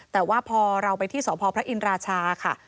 แต่ว่าพอเราไปที่สพพระอินราชาค่ะ